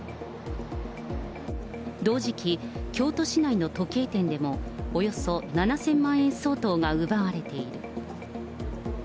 同時期、京都市内の時計店でも、およそ７０００万円相当が奪われている。